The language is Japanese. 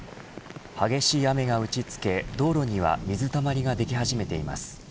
激しい雨が打ち付け道路には水たまりができ始めています。